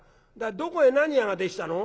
どこへ何屋ができたの？」。